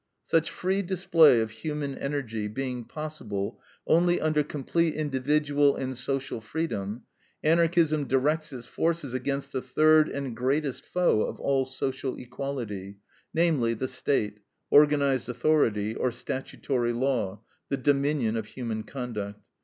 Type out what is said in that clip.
Such free display of human energy being possible only under complete individual and social freedom, Anarchism directs its forces against the third and greatest foe of all social equality; namely, the State, organized authority, or statutory law, the dominion of human conduct.